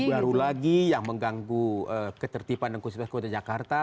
baru lagi yang mengganggu ketertiban dan kondisi kota jakarta